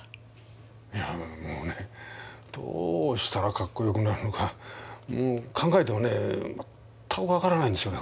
いやもうねどうしたらかっこよくなるのか考えてもね全く分からないんですよね